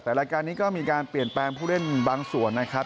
แต่รายการนี้ก็มีการเปลี่ยนแปลงผู้เล่นบางส่วนนะครับ